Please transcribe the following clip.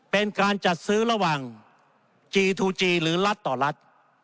เป็นการจัดซื้อระหว่างจีทูจีหรือรัฐต่อรัฐ